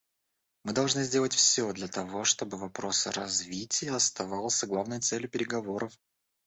Мы должны сделать все для того, чтобы вопрос развития оставался главной целью переговоров.